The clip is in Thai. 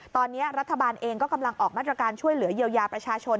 ตอนนี้รัฐบาลเองก็กำลังออกมาตรการช่วยเหลือเยียวยาประชาชน